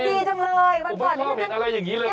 ดูดีจังเลยพระอุตสุรินี่อุ้ยผมบ่นความเห็นอะไรอย่างนี้เลย